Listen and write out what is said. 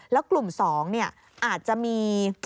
แล้วกลุ่ม๒อาจจะมี